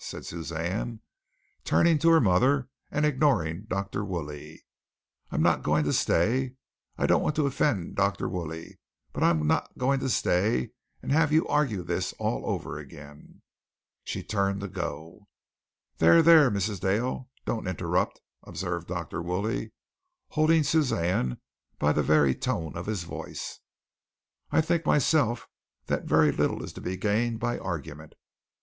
said Suzanne, turning to her mother and ignoring Dr. Woolley. "I'm not going to stay. I don't want to offend Dr. Woolley, but I'm not going to stay and have you argue this all over again." She turned to go. "There, there, Mrs. Dale, don't interrupt," observed Dr. Woolley, holding Suzanne by the very tone of his voice. "I think myself that very little is to be gained by argument.